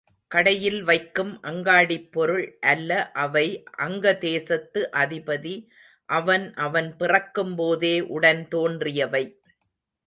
கடையில் வைக்கும் அங்காடிப் பொருள் அல்ல அவை அங்கதேசத்து அதிபதி அவன் அவன் பிறக்கும் போதே உடன் தோன்றியவை.